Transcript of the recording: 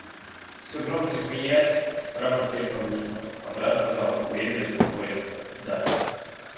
Все громче смеясь, сестра поспешно вышла, а брат сказал уверенно и спокойно: — Да.